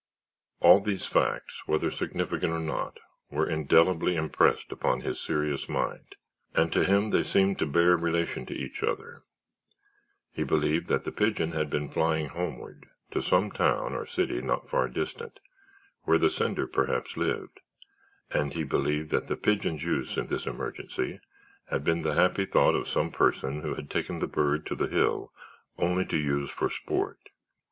All these facts, whether significant or not, were indelibly impressed upon his serious mind, and to him they seemed to bear relation to each other. He believed that the pigeon had been flying homeward, to some town or city not far distant, where the sender perhaps lived and he believed that the pigeon's use in this emergency had been the happy thought of some person who had taken the bird to the hill only to use for sport.